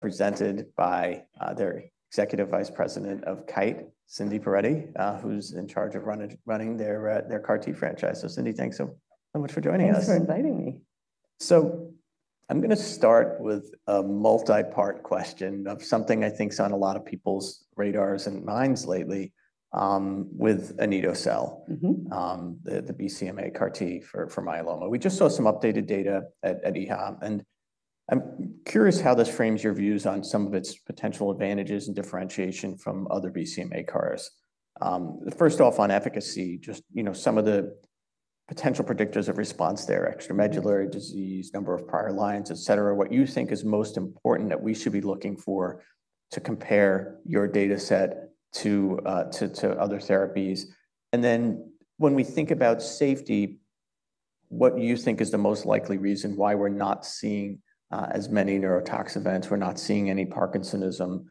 Presented by their Executive Vice President of Kite, Cindy Perettie, who's in charge of running their CAR-T franchise. Cindy, thanks so much for joining us. Thanks for inviting me. I'm going to start with a multi-part question of something I think is on a lot of people's radars and minds lately with anito-cel, the BCMA CAR-T for myeloma. We just saw some updated data at EHA, and I'm curious how this frames your views on some of its potential advantages and differentiation from other BCMA CARs. First off, on efficacy, just, you know, some of the potential predictors of response there, extramedullary disease, number of prior lines, et cetera, what you think is most important that we should be looking for to compare your data set to other therapies. When we think about safety, what do you think is the most likely reason why we're not seeing as many neurotox events, we're not seeing any Parkinsonism,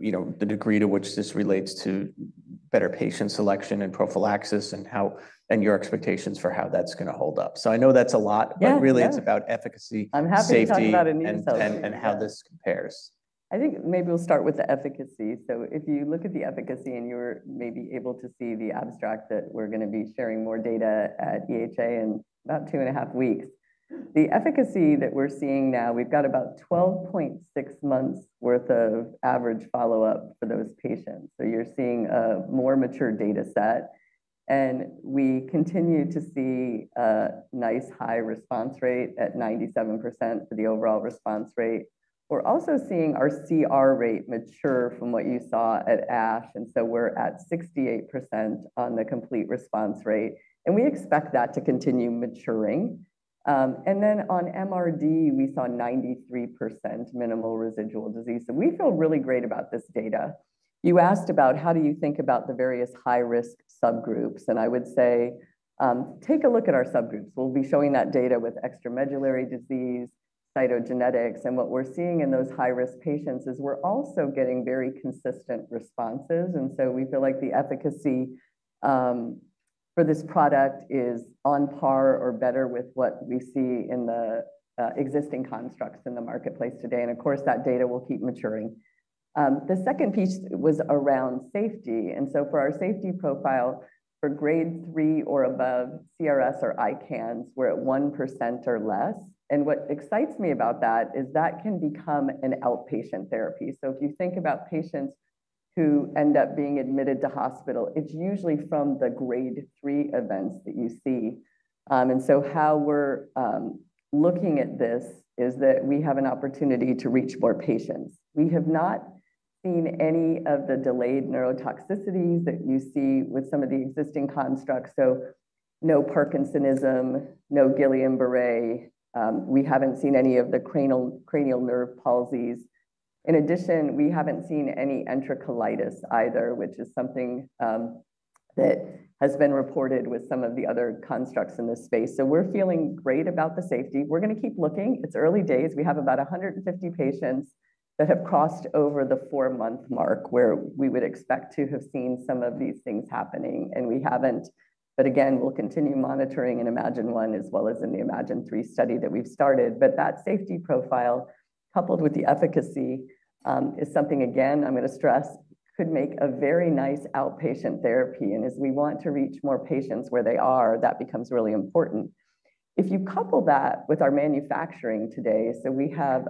you know, the degree to which this relates to better patient selection and prophylaxis, and your expectations for how that's going to hold up? I know that's a lot, but really it's about efficacy, safety, and how this compares. I think maybe we'll start with the efficacy. If you look at the efficacy, and you're maybe able to see the abstract that we're going to be sharing more data at EHA in about two and a half weeks, the efficacy that we're seeing now, we've got about 12.6 months' worth of average follow-up for those patients. You're seeing a more mature data set, and we continue to see a nice high response rate at 97% for the overall response rate. We're also seeing our CR rate mature from what you saw at ASH, and we're at 68% on the complete response rate, and we expect that to continue maturing. On MRD, we saw 93% minimal residual disease, so we feel really great about this data. You asked about how do you think about the various high-risk subgroups, and I would say take a look at our subgroups. We'll be showing that data with extramedullary disease, cytogenetics, and what we're seeing in those high-risk patients is we're also getting very consistent responses, and so we feel like the efficacy for this product is on par or better with what we see in the existing constructs in the marketplace today, and of course that data will keep maturing. The second piece was around safety, and so for our safety profile for grade three or above CRS or ICANS, we're at 1% or less, and what excites me about that is that can become an outpatient therapy. If you think about patients who end up being admitted to hospital, it's usually from the grade three events that you see, and how we're looking at this is that we have an opportunity to reach more patients. We have not seen any of the delayed neurotoxicities that you see with some of the existing constructs, so no Parkinsonism, no Guillain-Barré. We haven't seen any of the cranial nerve palsies. In addition, we haven't seen any enterocolitis either, which is something that has been reported with some of the other constructs in this space. We're feeling great about the safety. We're going to keep looking. It's early days. We have about 150 patients that have crossed over the four-month mark where we would expect to have seen some of these things happening, and we have not, but again, we will continue monitoring in ImagineOne as well as in the ImagineThree study that we have started. That safety profile, coupled with the efficacy, is something, again, I am going to stress, could make a very nice outpatient therapy, and as we want to reach more patients where they are, that becomes really important. If you couple that with our manufacturing today, we have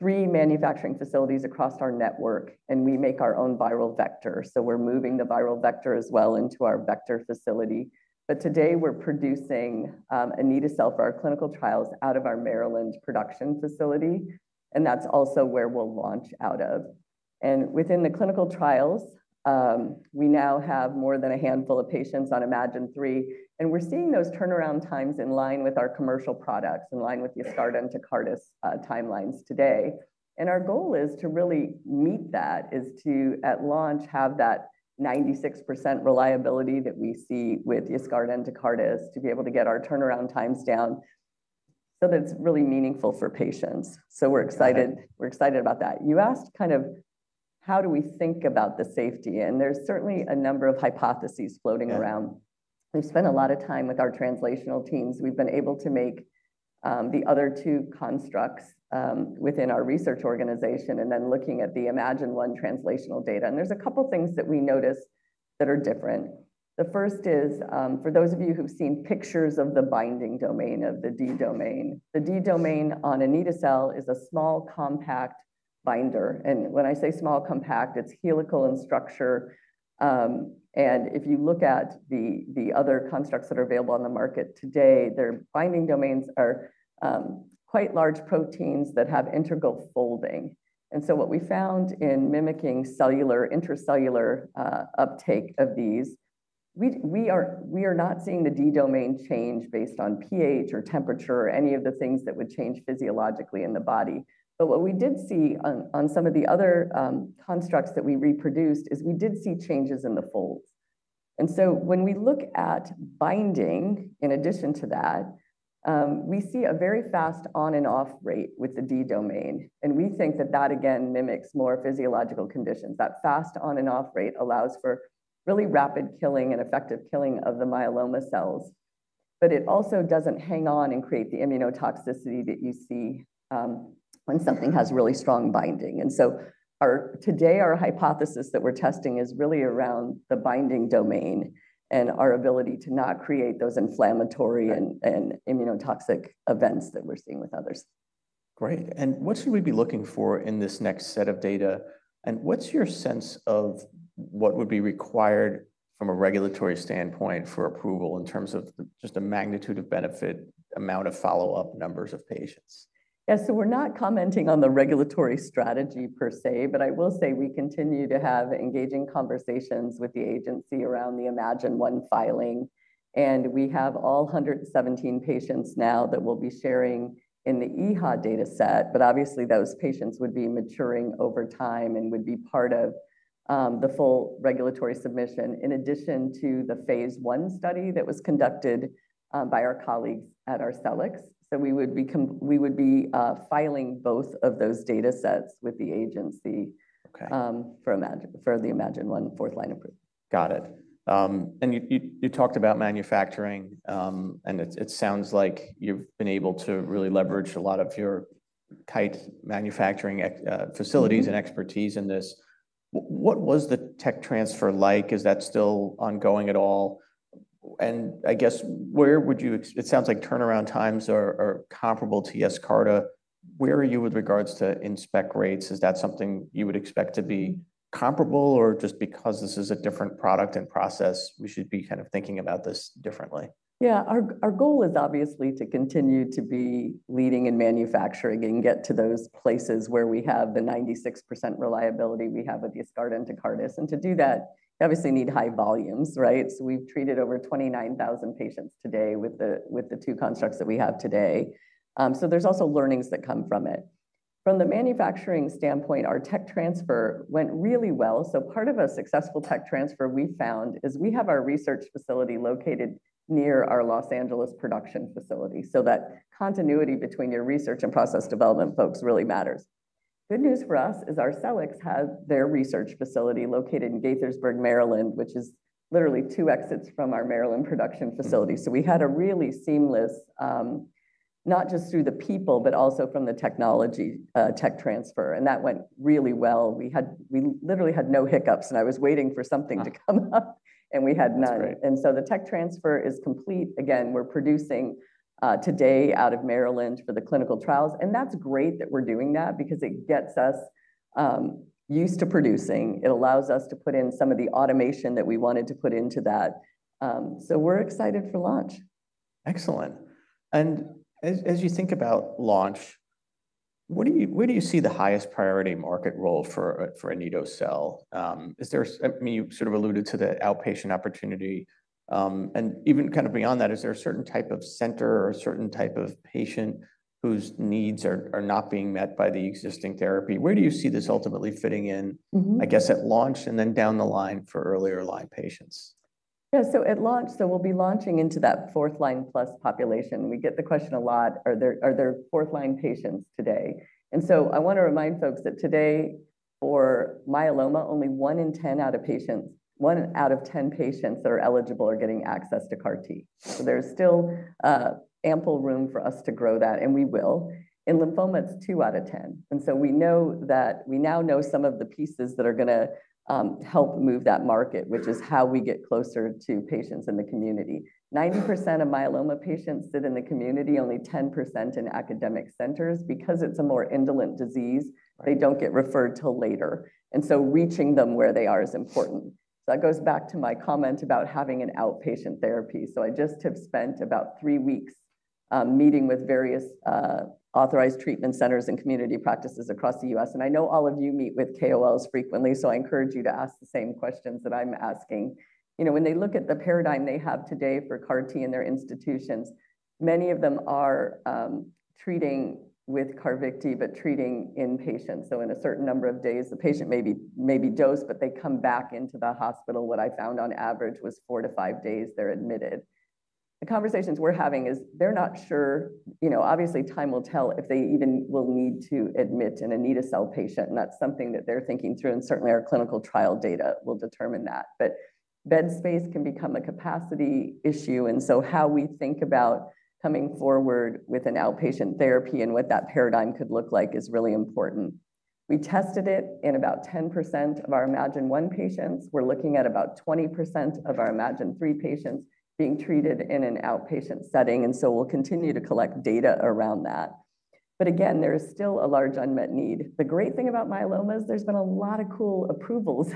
three manufacturing facilities across our network, and we make our own viral vector, so we are moving the viral vector as well into our vector facility, but today we are producing anito-cel for our clinical trials out of our Maryland production facility, and that is also where we will launch out of. Within the clinical trials, we now have more than a handful of patients on ImagineThree, and we're seeing those turnaround times in line with our commercial products, in line with the Yescarta and Tecartus timelines today, and our goal is to really meet that, is to at launch have that 96% reliability that we see with Yescarta and Tecartus, to be able to get our turnaround times down so that it's really meaningful for patients. We're excited about that. You asked kind of how do we think about the safety, and there's certainly a number of hypotheses floating around. We've spent a lot of time with our translational teams. We've been able to make the other two constructs within our research organization, and then looking at the ImagineOne translational data, and there's a couple of things that we notice that are different. The first is, for those of you who've seen pictures of the binding domain of the D-domain, the D-domain on anito-cel is a small compact binder, and when I say small compact, it's helical in structure, and if you look at the other constructs that are available on the market today, their binding domains are quite large proteins that have integral folding, and what we found in mimicking cellular, intracellular uptake of these, we are not seeing the D-domain change based on pH or temperature or any of the things that would change physiologically in the body, but what we did see on some of the other constructs that we reproduced is we did see changes in the folds. When we look at binding, in addition to that, we see a very fast on-and-off rate with the D-domain, and we think that that again mimics more physiological conditions. That fast on-and-off rate allows for really rapid killing and effective killing of the myeloma cells, but it also does not hang on and create the immunotoxicity that you see when something has really strong binding. Today our hypothesis that we are testing is really around the binding domain and our ability to not create those inflammatory and immunotoxic events that we are seeing with others. Great, and what should we be looking for in this next set of data, and what's your sense of what would be required from a regulatory standpoint for approval in terms of just the magnitude of benefit, amount of follow-up, numbers of patients? Yeah, so we're not commenting on the regulatory strategy per se, but I will say we continue to have engaging conversations with the agency around the ImagineOne filing, and we have all 117 patients now that we'll be sharing in the EHA data set, but obviously those patients would be maturing over time and would be part of the full regulatory submission, in addition to the phase I study that was conducted by our colleagues at Arcellx. We would be filing both of those data sets with the agency for the ImagineOne fourth line approval. Got it, and you talked about manufacturing, and it sounds like you've been able to really leverage a lot of your Kite manufacturing facilities and expertise in this. What was the tech transfer like? Is that still ongoing at all? I guess where would you, it sounds like turnaround times are comparable to Yescarta. Where are you with regards to inspect rates? Is that something you would expect to be comparable, or just because this is a different product and process, we should be kind of thinking about this differently? Yeah, our goal is obviously to continue to be leading in manufacturing and get to those places where we have the 96% reliability we have with Yescarta and Tecartus, and to do that, you obviously need high volumes, right? We've treated over 29,000 patients today with the two constructs that we have today, so there's also learnings that come from it. From the manufacturing standpoint, our tech transfer went really well, so part of a successful tech transfer we found is we have our research facility located near our Los Angeles production facility, so that continuity between your research and process development folks really matters. Good news for us is Arcellx has their research facility located in Gaithersburg, Maryland, which is literally two exits from our Maryland production facility, so we had a really seamless, not just through the people, but also from the technology tech transfer, and that went really well. We literally had no hiccups, and I was waiting for something to come up, and we had none, and so the tech transfer is complete. Again, we're producing today out of Maryland for the clinical trials, and that's great that we're doing that because it gets us used to producing. It allows us to put in some of the automation that we wanted to put into that, so we're excited for launch. Excellent, and as you think about launch, where do you see the highest priority market role for anito-cel? I mean, you sort of alluded to the outpatient opportunity, and even kind of beyond that, is there a certain type of center or a certain type of patient whose needs are not being met by the existing therapy? Where do you see this ultimately fitting in, I guess at launch and then down the line for earlier line patients? Yeah, at launch, we'll be launching into that fourth line plus population. We get the question a lot, are there fourth line patients today? I want to remind folks that today for myeloma, only one in ten patients that are eligible are getting access to CAR-T, so there's still ample room for us to grow that, and we will. In lymphoma, it's two out of ten, and we know that we now know some of the pieces that are going to help move that market, which is how we get closer to patients in the community. 90% of myeloma patients sit in the community, only 10% in academic centers. Because it's a more indolent disease, they don't get referred till later, and reaching them where they are is important. That goes back to my comment about having an outpatient therapy, so I just have spent about three weeks meeting with various authorized treatment centers and community practices across the U.S., and I know all of you meet with KOLs frequently, so I encourage you to ask the same questions that I'm asking. You know, when they look at the paradigm they have today for CAR-T in their institutions, many of them are treating with CARVYKTI, but treating inpatient, so in a certain number of days, the patient may be dosed, but they come back into the hospital. What I found on average was four to five days they're admitted. The conversations we're having is they're not sure, you know, obviously time will tell if they even will need to admit an anito-cel patient, and that's something that they're thinking through, and certainly our clinical trial data will determine that, but bed space can become a capacity issue, and how we think about coming forward with an outpatient therapy and what that paradigm could look like is really important. We tested it in about 10% of our ImagineOne patients. We're looking at about 20% of our ImagineThree patients being treated in an outpatient setting, and we'll continue to collect data around that, but again, there is still a large unmet need. The great thing about myeloma is there's been a lot of cool approvals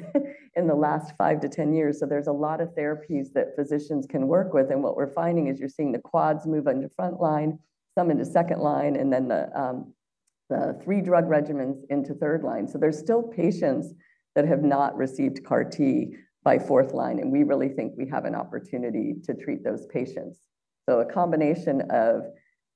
in the last five to ten years, so there's a lot of therapies that physicians can work with, and what we're finding is you're seeing the quads move into front line, some into second line, and then the three drug regimens into third line, so there's still patients that have not received CAR-T by fourth line, and we really think we have an opportunity to treat those patients. A combination of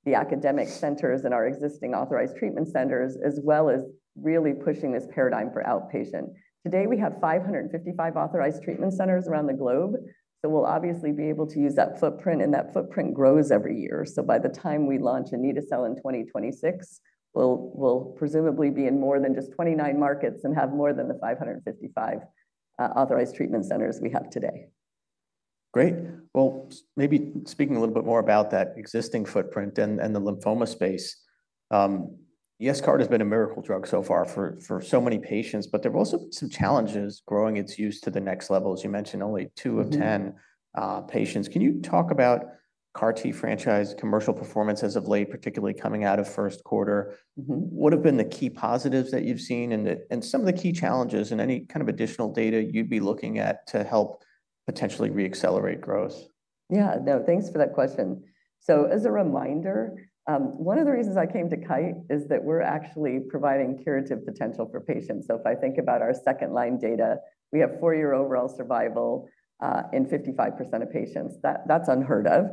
the academic centers and our existing authorized treatment centers, as well as really pushing this paradigm for outpatient. Today, we have 555 authorized treatment centers around the globe, so we'll obviously be able to use that footprint, and that footprint grows every year, so by the time we launch anito-cel in 2026, we'll presumably be in more than just 29 markets and have more than the 555 authorized treatment centers we have today. Great, maybe speaking a little bit more about that existing footprint and the lymphoma space, Yescarta has been a miracle drug so far for so many patients, but there were also some challenges growing its use to the next level. As you mentioned, only two of ten patients. Can you talk about CAR-T franchise commercial performance as of late, particularly coming out of first quarter? What have been the key positives that you've seen, and some of the key challenges, and any kind of additional data you'd be looking at to help potentially re-accelerate growth? Yeah, no, thanks for that question. As a reminder, one of the reasons I came to Kite is that we're actually providing curative potential for patients, so if I think about our second line data, we have four-year overall survival in 55% of patients. That's unheard of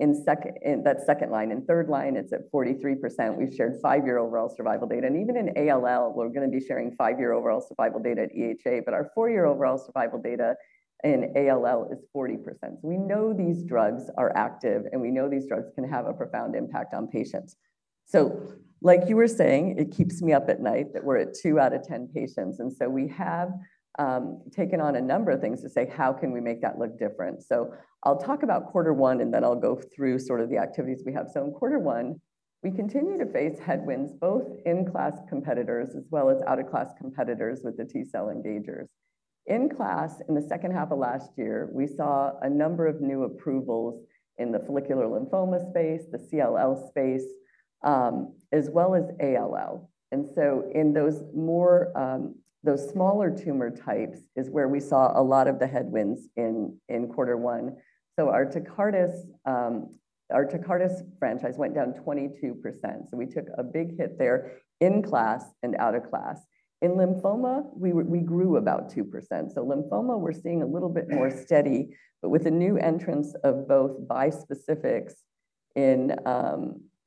in that second line. In third line, it's at 43%. We've shared five-year overall survival data, and even in ALL, we're going to be sharing five-year overall survival data at EHA, but our four-year overall survival data in ALL is 40%. We know these drugs are active, and we know these drugs can have a profound impact on patients. Like you were saying, it keeps me up at night that we're at two out of ten patients, and so we have taken on a number of things to say, how can we make that look different? I'll talk about quarter one, and then I'll go through sort of the activities we have. In quarter one, we continue to face headwinds both in-class competitors as well as out-of-class competitors with the T-cell engagers. In class, in the second half of last year, we saw a number of new approvals in the follicular lymphoma space, the CLL space, as well as ALL, and in those smaller tumor types is where we saw a lot of the headwinds in quarter one. Our Yescarta franchise went down 22%, so we took a big hit there in class and out of class. In lymphoma, we grew about 2%, so lymphoma we're seeing a little bit more steady, but with a new entrance of both bispecifics in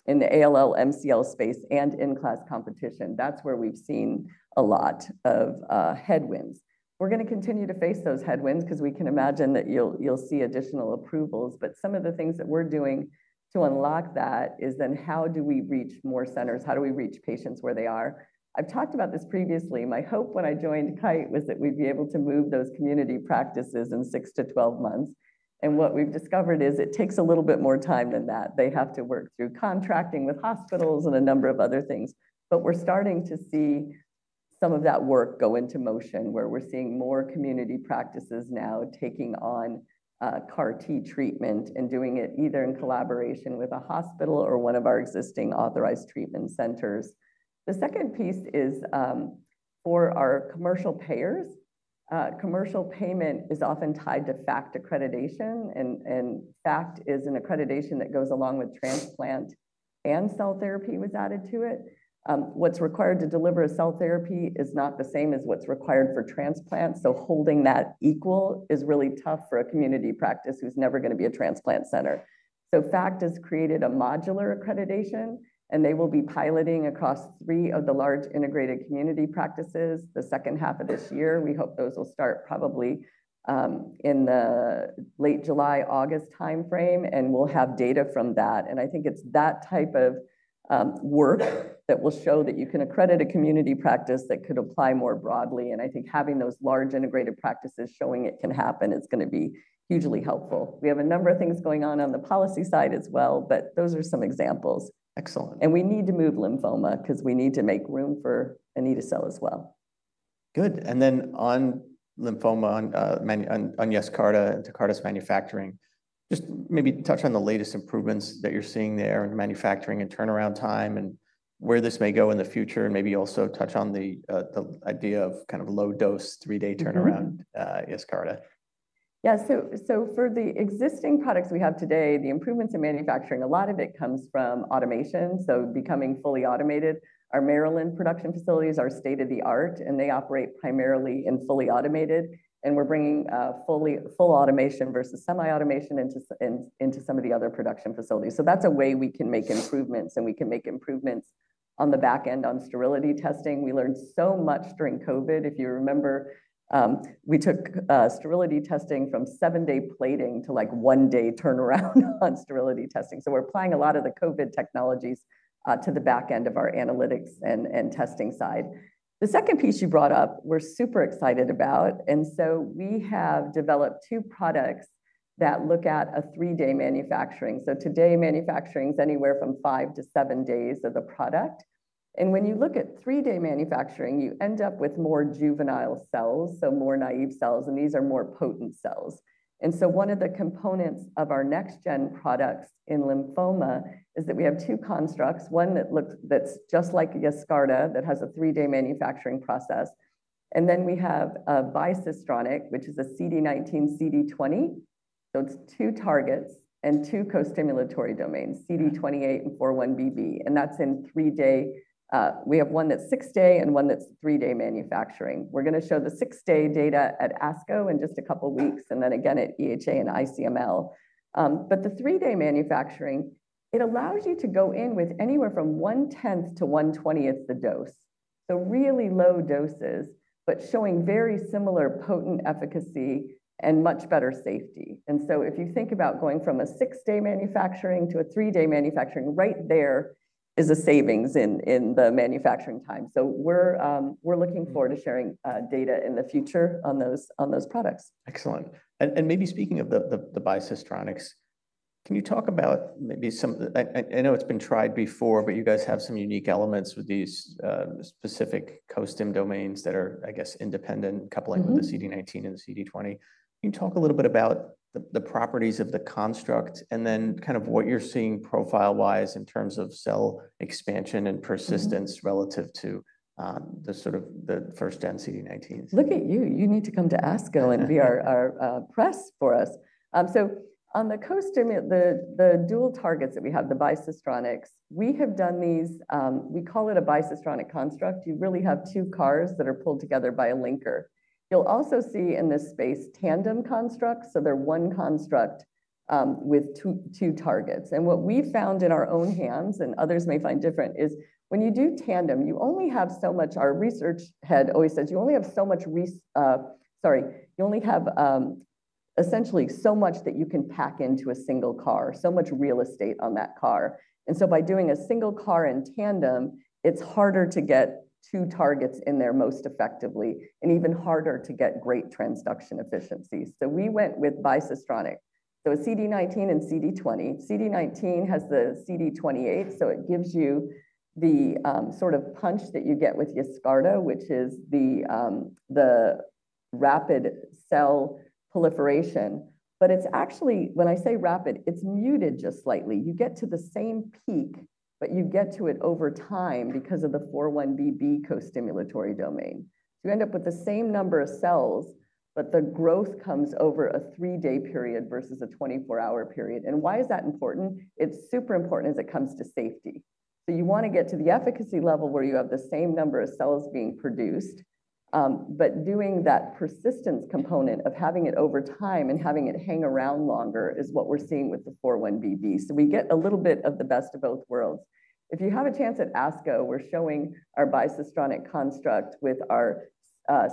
the ALL, MCL space, and in-class competition, that's where we've seen a lot of headwinds. We're going to continue to face those headwinds because we can imagine that you'll see additional approvals, but some of the things that we're doing to unlock that is then how do we reach more centers, how do we reach patients where they are? I've talked about this previously. My hope when I joined Kite was that we'd be able to move those community practices in six to twelve months, and what we've discovered is it takes a little bit more time than that. They have to work through contracting with hospitals and a number of other things, but we're starting to see some of that work go into motion where we're seeing more community practices now taking on CAR-T treatment and doing it either in collaboration with a hospital or one of our existing authorized treatment centers. The second piece is for our commercial payers. Commercial payment is often tied to FACT accreditation, and FACT is an accreditation that goes along with transplant, and cell therapy was added to it. What's required to deliver a cell therapy is not the same as what's required for transplant, so holding that equal is really tough for a community practice who's never going to be a transplant center. FACT has created a modular accreditation, and they will be piloting across three of the large integrated community practices the second half of this year. We hope those will start probably in the late July, August timeframe, and we'll have data from that, and I think it's that type of work that will show that you can accredit a community practice that could apply more broadly, and I think having those large integrated practices showing it can happen is going to be hugely helpful. We have a number of things going on on the policy side as well, but those are some examples. Excellent. We need to move lymphoma because we need to make room for anito-cel as well. Good, and then on lymphoma, on Yescarta, Tecartus manufacturing, just maybe touch on the latest improvements that you're seeing there in manufacturing and turnaround time and where this may go in the future, and maybe also touch on the idea of kind of low dose three-day turnaround Yescarta. Yeah, so for the existing products we have today, the improvements in manufacturing, a lot of it comes from automation, so becoming fully automated. Our Maryland production facilities are state of the art, and they operate primarily in fully automated, and we're bringing full automation versus semi-automation into some of the other production facilities, so that's a way we can make improvements, and we can make improvements on the back end on sterility testing. We learned so much during COVID, if you remember, we took sterility testing from seven-day plating to like one-day turnaround on sterility testing, so we're applying a lot of the COVID technologies to the back end of our analytics and testing side. The second piece you brought up, we're super excited about, and so we have developed two products that look at a three-day manufacturing, so today manufacturing is anywhere from five to seven days of the product, and when you look at three-day manufacturing, you end up with more juvenile cells, so more naive cells, and these are more potent cells, and so one of the components of our next-gen products in lymphoma is that we have two constructs, one that looks just like Yescarta that has a three-day manufacturing process, and then we have a bicistronic, which is a CD19, CD20, so it's two targets and two co-stimulatory domains, CD28 and 41BB, and that's in three-day. We have one that's six-day and one that's three-day manufacturing. We're going to show the six-day data at ASCO in just a couple of weeks, and then again at EHA and ICML, but the three-day manufacturing, it allows you to go in with anywhere from one-tenth to one-twentieth the dose, so really low doses, but showing very similar potent efficacy and much better safety, and if you think about going from a six-day manufacturing to a three-day manufacturing, right there is a savings in the manufacturing time, so we're looking forward to sharing data in the future on those products. Excellent, and maybe speaking of the bicistronics, can you talk about maybe some, I know it's been tried before, but you guys have some unique elements with these specific co-stim domains that are, I guess, independent, coupling with the CD19 and the CD20. Can you talk a little bit about the properties of the construct, and then kind of what you're seeing profile-wise in terms of cell expansion and persistence relative to the sort of the first-gen CD19s? Look at you, you need to come to ASCO and be our press for us. On the co-stim, the dual targets that we have, the bisystronics, we have done these, we call it a bicistronic construct. You really have two CARs that are pulled together by a linker. You'll also see in this space tandem constructs, so they're one construct with two targets, and what we've found in our own hands, and others may find different, is when you do tandem, you only have so much, our research head always says, you only have so much, sorry, you only have essentially so much that you can pack into a single CAR, so much real estate on that CAR, and by doing a single CAR in tandem, it's harder to get two targets in there most effectively, and even harder to get great transduction efficiencies. We went with bicistronic, so a CD19 and CD20. CD19 has the CD28, so it gives you the sort of punch that you get with Yescarta, which is the rapid cell proliferation, but it's actually, when I say rapid, it's muted just slightly. You get to the same peak, but you get to it over time because of the 41BB co-stimulatory domain. You end up with the same number of cells, but the growth comes over a three-day period versus a 24-hour period, and why is that important? It's super important as it comes to safety. You want to get to the efficacy level where you have the same number of cells being produced, but doing that persistence component of having it over time and having it hang around longer is what we're seeing with the 41BB, so we get a little bit of the best of both worlds. If you have a chance at ASCO, we're showing our bicistronic construct with our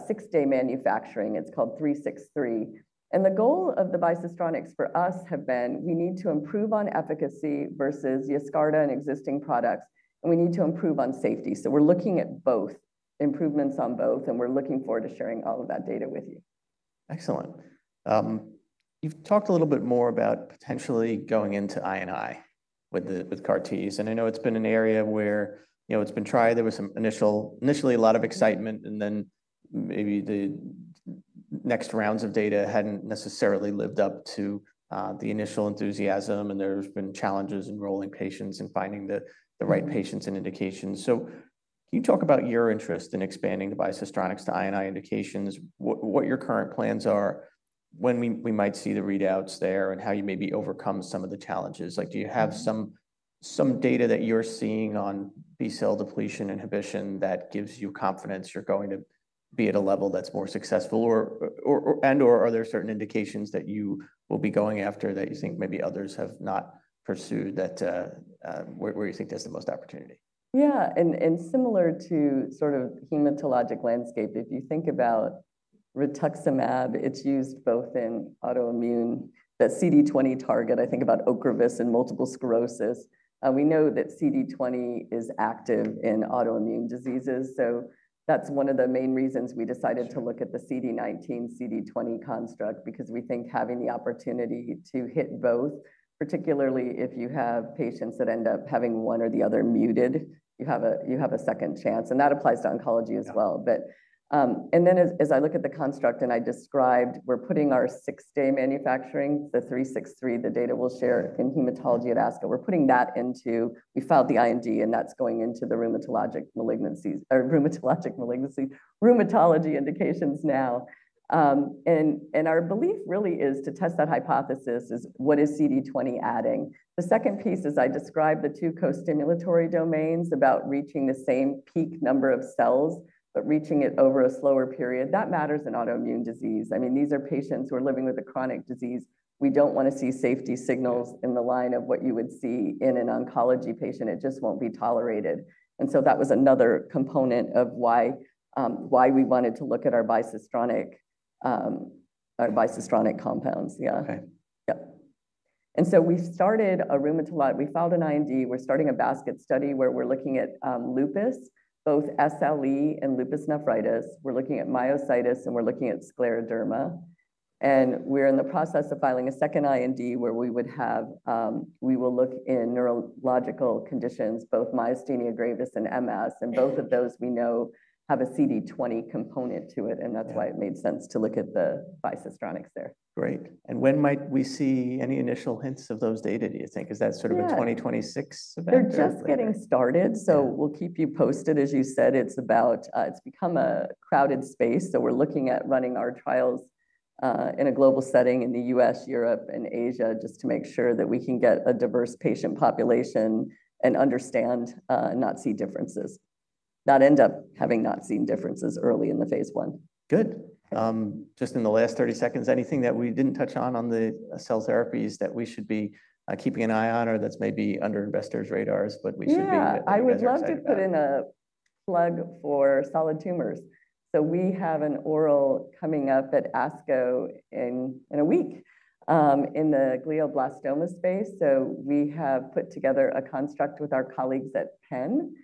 six-day manufacturing, it's called 363, and the goal of the bicistronics for us has been, we need to improve on efficacy versus Yescarta and existing products, and we need to improve on safety, so we're looking at both, improvements on both, and we're looking forward to sharing all of that data with you. Excellent. You've talked a little bit more about potentially going into INI with CAR-Ts, and I know it's been an area where, you know, it's been tried, there was some initially a lot of excitement, and then maybe the next rounds of data hadn't necessarily lived up to the initial enthusiasm, and there's been challenges in enrolling patients and finding the right patients and indications, so can you talk about your interest in expanding the bisystronics to INI indications, what your current plans are, when we might see the readouts there, and how you maybe overcome some of the challenges? Like, do you have some data that you're seeing on B-cell depletion inhibition that gives you confidence you're going to be at a level that's more successful, and/or are there certain indications that you will be going after that you think maybe others have not pursued where you think there's the most opportunity? Yeah, and similar to sort of hematologic landscape, if you think about rituximab, it's used both in autoimmune, the CD20 target, I think about Okrevus and multiple sclerosis. We know that CD20 is active in autoimmune diseases, so that's one of the main reasons we decided to look at the CD19, CD20 construct, because we think having the opportunity to hit both, particularly if you have patients that end up having one or the other muted, you have a second chance, and that applies to oncology as well. As I look at the construct, and I described, we're putting our six-day manufacturing, the 363, the data we'll share in hematology at ASCO, we're putting that into, we filed the IND, and that's going into the rheumatologic malignancies, or rheumatology indications now, and our belief really is to test that hypothesis is, what is CD20 adding. The second piece is I described the two co-stimulatory domains about reaching the same peak number of cells, but reaching it over a slower period, that matters in autoimmune disease. I mean, these are patients who are living with a chronic disease, we don't want to see safety signals in the line of what you would see in an oncology patient, it just won't be tolerated, and so that was another component of why we wanted to look at our bicistronic compounds, yeah. Okay. Yep. We started a rheumatologic, we filed an IND, we're starting a basket study where we're looking at lupus, both SLE and lupus nephritis, we're looking at myositis, and we're looking at scleroderma, and we're in the process of filing a second IND where we would have, we will look in neurological conditions, both myasthenia gravis and MS, and both of those we know have a CD20 component to it, and that's why it made sense to look at the bisystronics there. Great, and when might we see any initial hints of those data, do you think? Is that sort of a 2026 event? They're just getting started, so we'll keep you posted. As you said, it's become a crowded space, so we're looking at running our trials in a global setting in the U.S., Europe, and Asia, just to make sure that we can get a diverse patient population and understand not-seen differences, not end up having not-seen differences early in the phase I. Good. Just in the last 30 seconds, anything that we did not touch on, on the cell therapies that we should be keeping an eye on, or that is maybe under investors' radars, but we should be? Yeah, I would love to put in a plug for solid tumors, so we have an oral coming up at ASCO in a week in the glioblastoma space, so we have put together a construct with our colleagues at Penn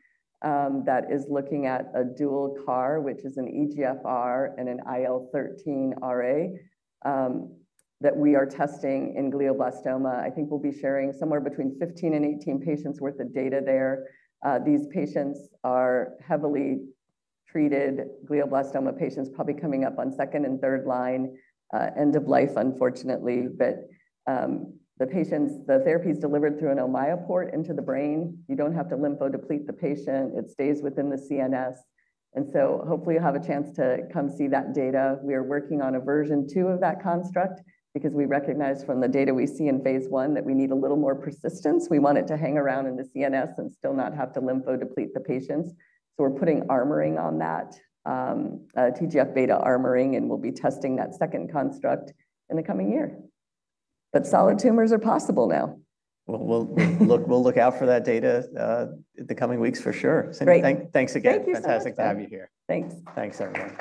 that is looking at a dual CAR, which is an EGFR and an IL-13RA that we are testing in glioblastoma. I think we'll be sharing somewhere between 15 and 18 patients' worth of data there. These patients are heavily treated glioblastoma patients, probably coming up on second and third line, end of life, unfortunately, but the therapy is delivered through an Ommaya port into the brain. You don't have to lympho-deplete the patient, it stays within the CNS, and so hopefully you'll have a chance to come see that data. We are working on a version two of that construct because we recognize from the data we see in phase I that we need a little more persistence. We want it to hang around in the CNS and still not have to lympho-deplete the patients, so we're putting armoring on that, TGF beta armoring, and we'll be testing that second construct in the coming year, but solid tumors are possible now. We will look out for that data in the coming weeks for sure. Great. Thanks again, fantastic to have you here. Thanks. Thanks, everyone.